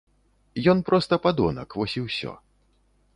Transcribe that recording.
Ён проста падонак, вось і ўсё.